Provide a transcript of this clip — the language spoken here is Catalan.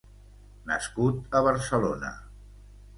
Nascut a Barcelona.